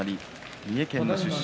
三重県の出身。